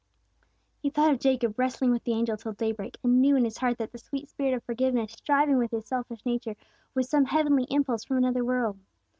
He thought of Jacob wrestling with the angel till day break, and knew in his heart that the sweet spirit of forgiveness striving with his selfish nature was some heavenly impulse from another world.